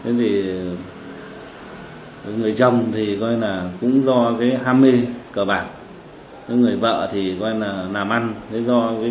người chồng cũng do ham mê cờ bạc người vợ làm ăn do mâu thuẫn về kinh tế dẫn đến việc giết chồng